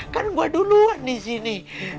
kan gue duluan disini